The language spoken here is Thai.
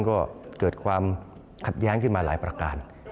ก็เกิดความขัดแย้งขึ้นมาหลายประการ